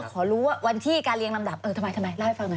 ขอรู้ว่าวันที่การเรียงลำดับเออทำไมทำไมเล่าให้ฟังหน่อย